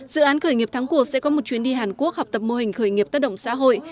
dự án khởi nghiệp thắng cuộc sẽ có một chuyến đi hàn quốc học tập mô hình khởi nghiệp tác động xã hội